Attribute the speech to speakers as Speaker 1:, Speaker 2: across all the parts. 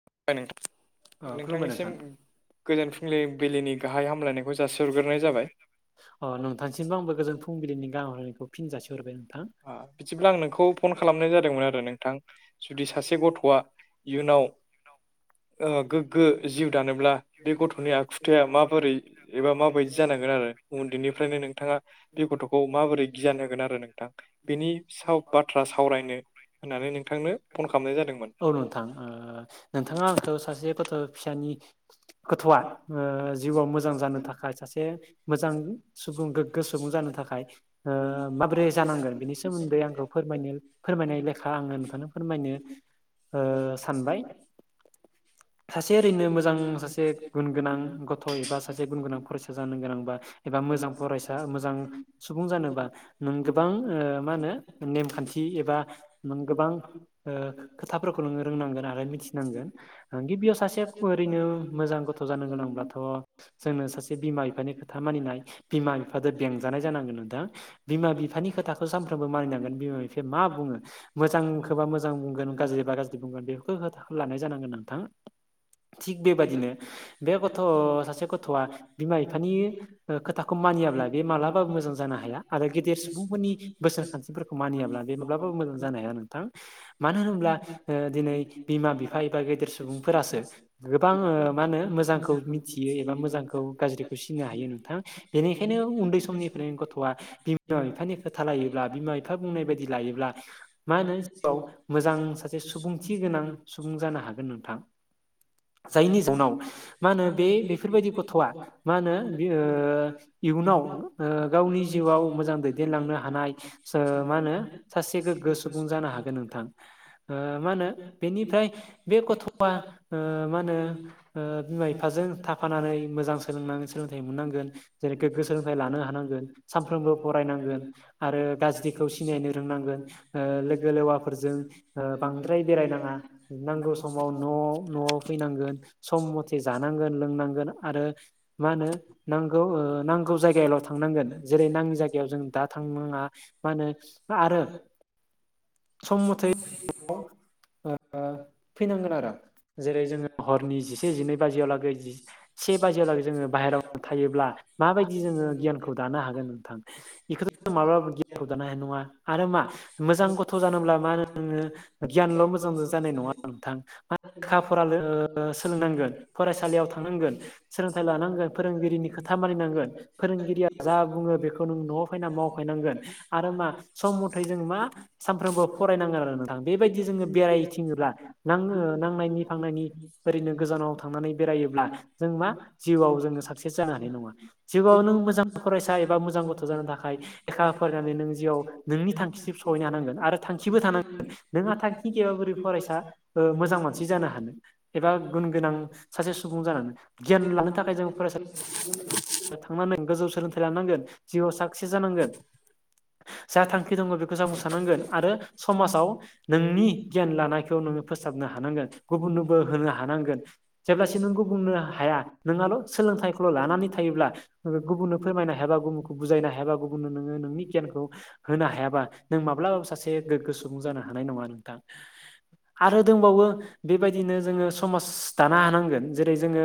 Speaker 1: [inaudible]
Speaker 2: ओ खुलुमबाय नोंथां
Speaker 1: नोंथांनिसिम गोजोन फुंबिलि बिलिनि गाहाय हामलायनायखौ जासिहरग्रोनाय जाबाय
Speaker 2: अ नोंथांसिमबो आंबो गोजोन फुंबिलिनि गाह हरनायखौ फिन जासि हरबाय नोंथां।
Speaker 1: बिदिब्ला आं नोंखौ फन खालामनाय जादोंमोन आरो नोंथां। जुदि सासे गथ'आ इयुनाव ओ गोग्गो जिउ दानोब्ला बे गथ'नि आखुथाया माबोरै एबा माबायदि जानांगोन आरो उन्दैनिफ्रायनो नोंथाङा बे गथ'खौ माबोरै गियान होगोन आरो नों। बेनि साव बाथ्रा सावरायनो होननानै नोंथांनो फन खालामनाय जादोंमोन।
Speaker 2: औ नोंथां ओ नोंथाङा आंखौ सासे गथ' फिसानि गथ'आ ओ जिउआव मोजां जानो थाखाय सासे मोजां सुबुं गोग्गो सुबुं जानो थाखाय ओ माबोरै जानांगोन बिनि सोमोन्दै आंखौ फोरमायनो फोरमायनाय लेखा आङो नोंथांनो फोरमायनो ओ सानबाय। सासे ओरैनो मोजां सासे गुन गोनां ग थ' एबा सासे गुन गोनां फरायसा जानो गोनांबा एबा मोजां फरायसा मोजां सुबुं जानोबा नों गोबां ओ मा होनो नेमखान्थि एबा नों गोबां ओ खोथाफोरखौ नोङो रोंनांगोन आरो मिथिनांगोन। ओ गिबियाव सासे ओरैनो मोजां गथ' जानो गोनांब्लाथ' जोंनो सासे बिमा बिफानि खोथा मानिनाय बिमा बिफादो बेंजानाय जानांगोन नोंथां। बिमा बिफानि खोथाखौ सानफ्रोमबो मानिनांगोन बिमा बिफाया मा बुङो। मोजांखोबा मोजां बुंगोन गाज्रिबा गाज्रि बुंगोन बेफोरखौ खोथा लानाय जानांगोन नोंथां थिग बेबादिनो बे गथ' सासे गथ'आ बिमा बिफानि ओ खोथाखौ मानियाब्ला बे मालाबाबो मोजां जानो हाया आरो गेदेर सुबुं नि बोसोन खान्थिफोरखौ मानियाब्ला बे माब्लाबाबो मोजां जानो हाया नोंथां मानो होनोब्ला ओ दिनै बिमा बि फा एबा गेदेर सुबुंफोरासो गोबां ओ मा होनो मोजांखौ मिथियो एबा मोजांखौ गाज्रिखौ सिनो हायो नोंथां। बेनिखायनो उन्दै समनिफ्रायनो गथ'आ बिमा बिफानि खोथा लायोब्ला बिमा बिफा बुंनाय बायदि लायोब्ला मा होनो जिउआव मोजां सासे सुबुंथि गोनां सुबुं जानो हागोन नोंथां जायनि जाउनाव मा होनो बे बेफोरबायदि गथ'आ मा होनो बे ओ इयुनाव ओ गावनि जिउआव मोजां दैदेनलांनो हानाय सा मा होनो सासे गोग गो सुबुं जानो हागोन नोंथां ओ मा होनो बेनि फ्राय बे गथ'आ मा होनो ओ बिमा बिफाजों थाफानानै मोजां सोलोंना सोलोंथाइ मोननांगोन। जेरै गोग्गो सोलोंथाइ लानो हानांगोन सानफ्रोमबो फरायनांगोन आरो गा ज्रिखौ सिनायनो रोंनांगोन ओ लोगो लेवाफोरजों ओ बांद्राय बेरायनाङा। नांगौ समाव न' न'आव फैनांगोन। सम मथे जानांगोन लोंनांगोन आरो मा होनो नांगौ ओ नांगौ जायगायावल' थांनांगोन जेरै नाङि जायगायाव जों दा थांनाङा। मा होनो आरो सम मथे ओ फैनांगोन आरो जेरै जोङो हरनि जिसे जिनै बाजियावलागै जि से बाजियावलागै जोङो बाहेरायाव थायोब्ला माबायदि जोङो गियानखौ दानो हागोन नोंथां। बिखौथ' माब्लाबाबो गियानखौ दानो हानाय नङा आरो मा मोजां गथ' जानोब्ला मा होनो नोङो गियानल' मो जांजों जानाय नङा नोंथां लेखा फरा ओ सोलोंनांगोन फरायसालियाव थांनांगोन। सोलोंथाइ लानांगोन फोरोंगिरिनि खोथा मानिनांगोन फोरोंगिरिया जा बुङो बेखौ नों न'आव फैना मावफैनांगोन आरो मा सम मथै जों मा सानफ्रोमबो फरायनांगोन आरो नोंथां बेबायदि जोङो बेरायथिङोब्ला नां ओ नांनायनि फांनायनि ओरैनो गोजानाव थांनानै बेरायोब्ला जों मा जिउआव जोङो साक्सेस जानो हानाय नङा। जिउआव नों मोजां फरायसा एबा मोजां गथ' जानो थाखाय लेखा फरायनानै नों नों जिआव नोंनि थांखिसिम सहैनो हानांगोन आरो थांखिबो थानांगोन नोंहा थांखि थि गैयाबा बोरै फरायसा मोजां मानसि जानो हानो एबा गुन गोनां सासे सुबुं जानानै गियान लानो थाखाय जों फरायसा थांनानै गोजौ सोलोंथाइ लानांगोन जिउआव साक्सेस जानांगोन जा थांखि दङ बेखौ जों मोसा नांगोन आरो समाजाव नोंनि गियान लानायखौ नोङो फोसाबनो हानांगोन गुबुननोबो होनो हानांगोन जेब्ला सिम नों गुबुंनो हाया नोंनाल' सोलोंथाइखौल' लानानै थायोब्ला गुबुननो फोरमायनो हायाबा गुबुनखौ बुजायनो हायाबा गुबुननो नोङो नोंनि गियानखौ होनो हायाबा नों माब्लाबाबो सासे गोग्गो सुबुं जानो हानाय नङा नोंथां। आरो दंबावो बेबायदिनो जोङो समाज दानो हानांगोन जेरै जोङो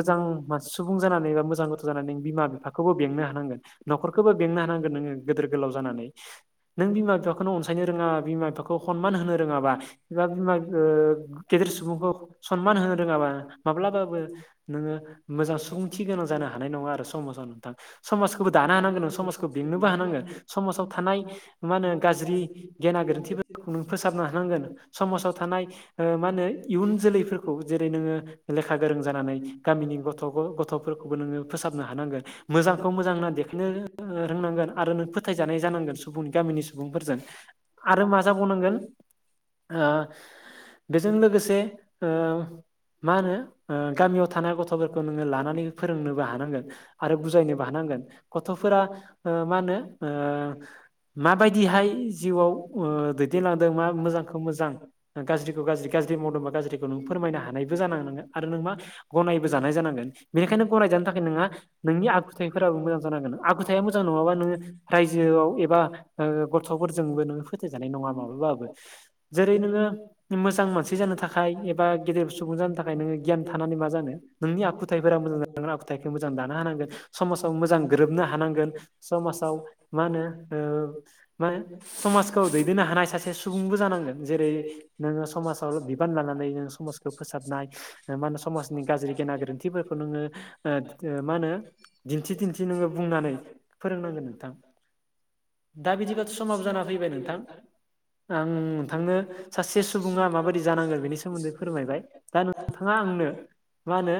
Speaker 2: मोजां सुबुं जानानै बा मोजां गथ' जानानै बिमा बिफाखौबो बेंनो हानांगोन। न'खरखौबो बेंनो हानांगोन नोङो गिदोर गोलाव जानानै नों बिमा बिफाखोनो अनसायनो रोंङा बिमा बिफाखौनो खनमान होनो [unintelligible] रोङाबा एबा बिमा ओ गेदेर सुबुंखौ सनमान होनो रोङाबा माब्लाबाबो नोङो मोजां सुबुंथि गोनां जानो हानाय नङा आरो समाजाव नोंथां। समाजखौबो दानो होनांगोन नों समाजखौ बेंनोबो हांगोन समाजाव थानाय मा होनो गाज्रि गेना गोरोन्थिफोरखौ फोसाबनो हानांगोन समाजाव थानाय ओ मा होनो इयुन जोलैफोरखौ जेरै नोङो लेखा गोरों जानानै गामिनि गथ'बो गथ'फोरखौबो नोङो फोसाबनो हानांगोन‌। मोजांखौ मोजां होनना देखायनो रोंनांगोन आरो नों फोथायजानाय जानांगोन सुबुंनि गामिनि सुबुंफोरजों। आरो मा जाबावनांगोन? ओ बेजों लोगोसे ओ मा होनो गामियाव थानाय गथ'फोरखौ नोङो लानानै फोरोंनोबो हानांगोन‌। आरो बुजायनोबो हानांगोन गथ'फोरा ओ मा होनो ओ माबायदिहाय जिउआव ओ दैदेनलांदों ओ मा मोजांखौ मोजां गाज्रिखौ गाज्रि गाज्रि मावदोंबा गाज्रिखौ नों फोरमायनो हानायबो जानां नांगोन आरो नों मा गनायबो जानाय जानांगोन बेनिखायनो गनायजानो थाखाय नोंङा नोंनि आखुथायफोराबो मोजां जानांगोन आखुथाया मोजां नङाबा नोङो रायजोआव एबा गथ'फोरजोंबो नोङो फोथायजानाय नङा माब्लाबाबो जेरै नोङो मोजां मानसि जानो थाखाय एबा गेदेर सुबुं जानो थाखाय नोङो गियान थानानै मा जानो नोंनि आखुथायफोरा मोजां जानांगोन आखुथाइखौ मोजां दाना होनांगोन। समाजाव मोजां गोरोबनो हानांगोन समाजाव मा होनो ओ मा समाजखौ दैदेननो हानाय सासे सासे सुबुंबो जानांगोन जेरै नोङो समाजाव बिबान लानानै नोङो समाजखौ फोसाबनाय। मा होनो समाजनि गाज्रि गेना गोरोन्थिफोरखौ नोङो ओ मा होनो? दिन्थि दिन्थि नोङो बुंनानै फोरोंनांगोन नोंथां दा बिदिबा समाबो जाना फैबाय नोंथां आं नोंथांनो सासे सुबुङा माबायदि जानांगोन बेनि सोमोन्दै फोरमायबाय दा नोंथाङा आंनो मा होनो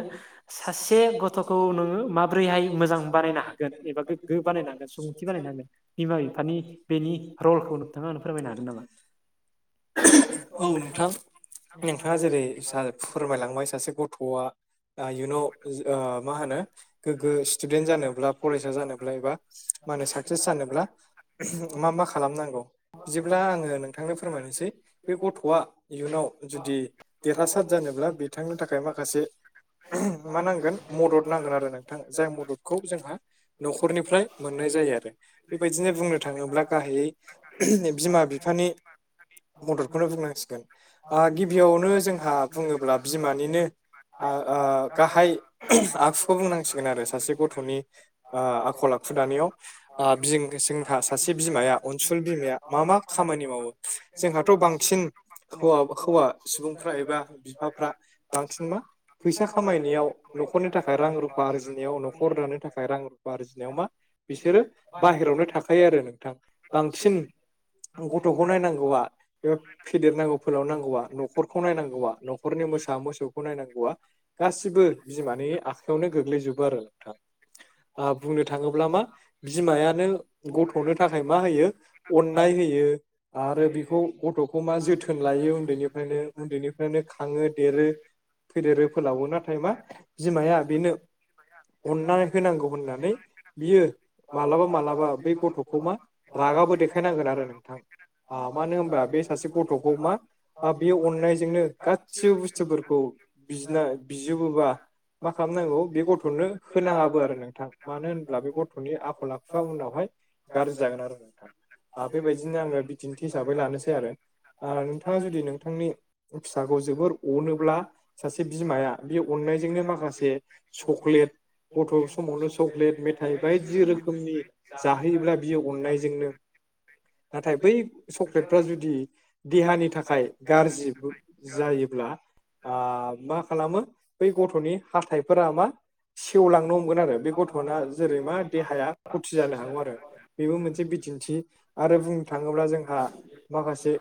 Speaker 2: सासे गथ'खौ नोङो माबोरैहाय मोजां बानायनो हागोन एबा गोग्गो बानायनो हागोन सुबुंथि बानायनांगोन बिमा बिफानि बेनि रलखौ नोंथाङा फोरमायनो हागोन [unintelligible]
Speaker 1: औ नोंथां नोंथाङा जेरै [unintelligible] फोरमायलांबाय सासे गथ'आ ओ इयुनाव ओ मा होनो
Speaker 2: गोग्गो
Speaker 1: गोग्गो स्टुदेन्ट
Speaker 2: स्टुडेन्ट
Speaker 1: जानोब्ला कलेज
Speaker 2: फरायसा
Speaker 1: जानोब्ला एबा मा
Speaker 2: एबा
Speaker 1: होनो
Speaker 2: साक्सेस
Speaker 1: साकसेस जानोब्ला मा मा खालामनांगौ बिदिब्ला आङो नोंथांनो फोरमायनोसै बे गथ'आ इयुनाव जुदि देरहासार जानोब्ला बिथांनो थाखाय माखासे मा नांगोन मदद नांगोन आरो नोंथां जाय मददखौ जोंहा न'खरनिफ्राय मोननाय जायो आरो बेबायदिनो बुंनो थाङोब्ला गाहायै बिमा बिफानि मददखौनो बुंनांसिगोन ओ गिबियावनो जोंहा बुङोब्ला बिमानिनो ओ गाहाय आखुखौ बुंनांसिगोन आरो सासे गथ'नि ओ आखल आखु दानायाव जोंहा ओ [unintelligible] सासे बिमाया अनसुलि बिमाया मा मा खामानि मावो जोंहाथ' बांसिन हौवा हौवा सुबुंफ्रा एबा बिफाफ्रा बांसिन मा फैसा खामायनायाव न'खरनि थाखाय रां रुफा आरजिनायाव न'खर दानि थाखाय रां रुफा आरजिनायाव मा बिसोरो बाहेरायावनो था खायो आरो नोंथां बांसिन गथ'खौ नायनांगौआ फेदेरनांगौ फोलावनांगौवा न'खरखौ नायनांगौबा न'खरनि मोसा मोसौखौ नायनांगौवा गासिबो बिमानि आखायावनो गोग्लैजोबो आरो नोंथां बुंनो थांङोब्ला मा बिमायानो गथ'नो थाखाय मा होयो अननाय होयो। आरो बेखौ गथ'खौ मा जोथोन लायो उन्दैनिफ्रायनो उन्दैनिफ्रायनो खांङो देरो। फैदेरो फोलावो नाथाय मा बिमाया बेनो अननानै होनांगौ होननानै बियो मालाबा मालाबा बे गथ'खौ मा
Speaker 2: [unintelligible]
Speaker 1: रागाबो देखायनांगोन आरो नोंथां मानो होनबा बे सासे गथ'खौ मा बे अननायजोंनो गासिबो बुस्थुफोरखौ बिजना बिजोबोबा मा खालामनांगौ बे गथ'नो होनांङाबो आरो नोंथां मानो होनब्ला बे गथ'नि आखल आखुआ उनावहाय गाज्रि जागोन आरो नोंथां आ बेबायदिनो आंङो बिदिन्थि हिसाबै लानोसै आरो नोंथांङा जुदि नोंथांनि फिसाखौ जोबोर अनोब्ला सासे बिमाया बे अननायजोंनो माखासे सक्लेट गथ' समावनो सक्लेट मेथाइ बायदि रोखोमनि जाहोयोब्ला बियो अननायजोंनो नाथाय बै चक्लेटफ्रा जुदि देहानि थाखाय गाज्रि जायोब्ला मा खालामो बै गथ'नि हाथथायफोरा मा सेवलांनो हमगोन आरो बे गथ'ना जेरै मा देहाया फुरथि जानो हागौ आरो बेबो मोनसे बिदिंथि आरो बुंनो थांङोब्ला जों आ माखासे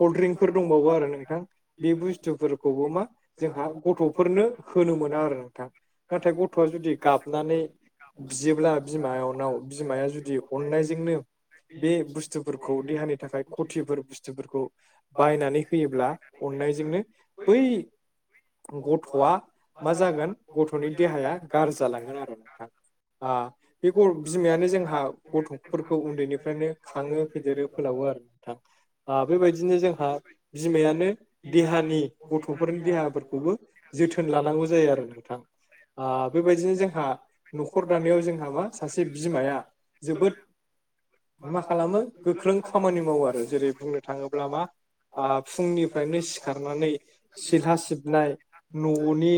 Speaker 1: कल्ड्रिंरफोर दंबावो आरो नोंथां बे बुस्थुफोरखौबो मा जोंहा गथ'फोरनो होनो मोना आरो नोंथां नाथाय गथ'आ जुदि गाब हनानै बियोब्ला बिमानाव बिमाया जुदि अननायजोंनो बे बुस्थुफोरखौ देहानि थाखाय खतिफोर बुस्थुफोरखौ बायनानै होयोब्ला अननायजोंनो बै गथ'आ मा जागोन गथ'नि देहाया गार्रि जालांगोन आरो नोंथां आ बे बिमायानो जोंहा गथ'फोरखौ उन्दैनिफ्रायनो खांङो फेदेरो फोलावो आरो नोंथां बेबायदिनो जोंहा बिमायानो देहानि गथ'फोरनि देहाफोरखौबो जोथोन लानांगौ जायो आरो नोंथां ओ बेबायदिनो जोंहा न'खर दानायाव जोंहा मा सासे बिमाया जोबोद मा खालामो गोख्रों खामानि मावो आरो जेरै बुंनो थांङोब्ला मा फुंनिफ्रायनो सिखारनानै सिला सिबनाय न'नि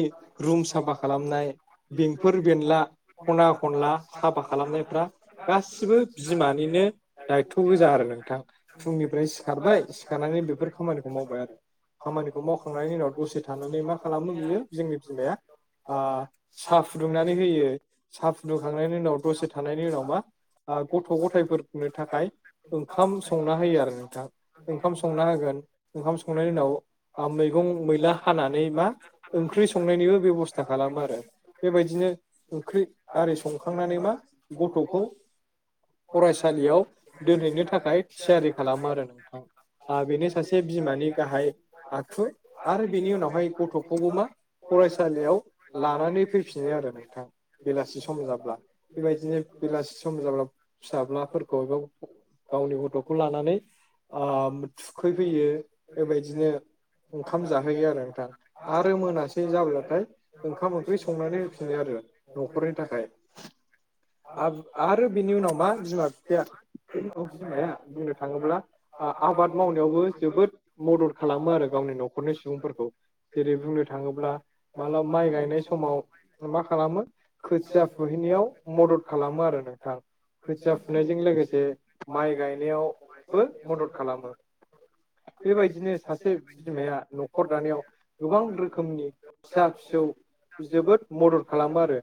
Speaker 1: रुम साफा खालामनाय बेंफोर बेनला खना खनला साफा खालामनायफ्रा गासिबो बिमानिनो दायथ' गोजा आरो नोंथां फुंनिफ्राय सिखारबाय सिखारनानै बेफोर खामानिखौ मावबाय आरो खामानिखौ मावखांनायनि उनाव दसे थानानै मा खालामो बियो जोंनि बिमाया सा फुदुंनानै होयो साहा फुदुंखांनायनि उनाव दसे थानायनि उनावबा गथ' गथायफोरनो थाखाय ओंखाम संना होयो आरो नोंथां ओंखाम संना होगोन ओंखाम संनायनि उनाव मैगं मैला हानानै मा ओंख्रि संनायनिबो बेब'स्था खालामो आरो बेबायदिनो ओंख्रि आरि संखांनानै गथ'खौ फरायसालियाव दोनैनो थाखाय थियारि खालामो आरो बेनो सासे बिमानि गाहाय आखु आरो बेनि उनावहाय गथ'खौबो मा फरायसालियाव लानानै फैफिनो आरो नोंथां बेलासि सम जाब्ला बेबायदिनो बेलासि सम जाब्ला फिसाज्लाफोरखौ गावनि गथ'खौ लानानै ओ थुखैफैयो बेबायदिनो ओंखाम जाहोयो आरो नोंथां आरो मोनासै जाब्लाथाय ओंखाम ओंख्रि संनानै होफिनो आरो न'खरनि थाखाय। आरो बिनि उनाव मा बिमा बिफाया औ बिमाया बुंनो थाङोब्ला आबाद मावनायावबो जोबोद मदद खालामो आरो गावनि न'खरनि सुबुंफोरखौ। जेरै बुंनो थाङोब्ला मालाबा माइ गायनाय समाव। मा खालामो खोथिया फुहैनायाव। मदद खालामो आरो नोंथां खोथिया फुनायजों लोगोसे
Speaker 2: माइ गायनायाव बयबो मदद खालामो।
Speaker 1: बेबायदिनो सासे बिमाया न'खर दानायाव गोबां रोखोमनि फिसा फिसौ जोबोद मदद खालामो आरो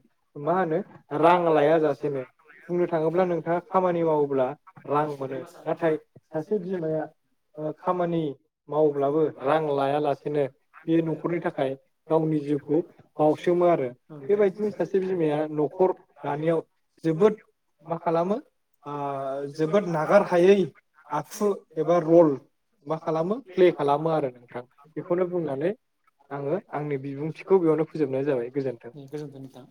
Speaker 1: मा होनो। रां लाया जासेनो बुंनो थाङोब्ला नोंथाङा खामानि मावोब्ला रां मोनो नाथाय सासे बिमाया खामानि मावब्लाबो रां लायालासेनो बे न'खरनि थाखाय गावनि जिउखौ बाउसोमो आरो बेबायदिनो सासे बिमाया न'खर दानायाव जोबोद मा खालामो ओज जोबोद नागारहायै आखु एबा रल मा खालामो प्ले खालामो आरो नोंथां बेखौनो बुंनानै आङो आंनि बिबुंथिखौ बेयावनो फोजोबनाय जाबाय गोजोन्थों।
Speaker 2: गोजोनथों नोथां।